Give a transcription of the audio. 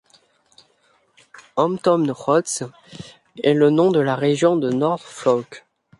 Hampton Roads est le nom de la région de Norfolk.